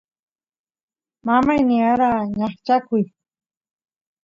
mamay niyara ñaqchakuy